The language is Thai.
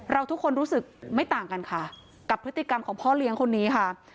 ทุกคนรู้สึกไม่ต่างกันค่ะกับพฤติกรรมของพ่อเลี้ยงคนนี้ค่ะ